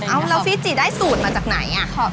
เอาแล้วฟิจิได้สูตรมาจากไหน